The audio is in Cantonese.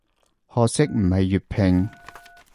可惜唔係粵拼